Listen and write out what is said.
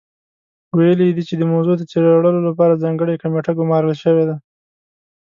ویلي یې دي چې د موضوع د څېړلو لپاره ځانګړې کمېټه ګمارل شوې ده.